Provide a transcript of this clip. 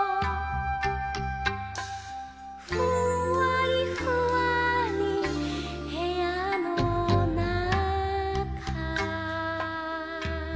「ふんわりふわーりへやのなか」